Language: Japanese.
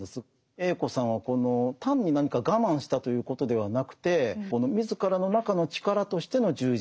Ａ子さんはこの単に何か我慢したということではなくて自らの中の力としての充実